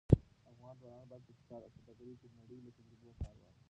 افغان ځوانان باید په اقتصاد او سوداګرۍ کې د نړۍ له تجربو کار واخلي.